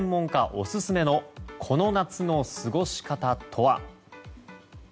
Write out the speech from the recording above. オススメのこの夏の過ごし方とは。